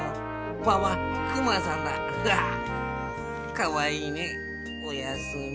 かわいいねおやすみ。